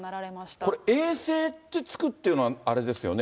これ、永世ってつくというのはあれですよね。